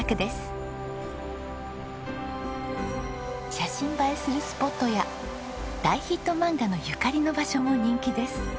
写真映えするスポットや大ヒット漫画のゆかりの場所も人気です。